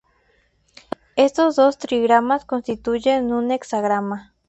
Estos dos trigramas constituyen un hexagrama.